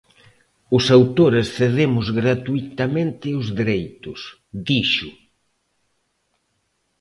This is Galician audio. "Os autores cedemos gratuitamente os dereitos", dixo.